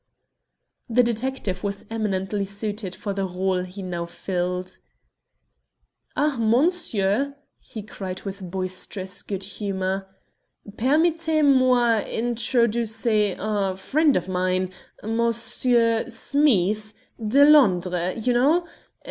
The detective was eminently suited for the rôle he now filled. "Ah, monsoo," he cried with boisterous good humour, "permittez moi introducer un friend of mine, Monsoo Smeeth, de Londres, you know.